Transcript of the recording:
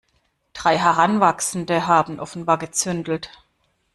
Drei Heranwachsende haben offenbar gezündelt.